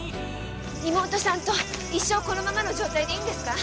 妹さんと一生このままの状態でいいんですか？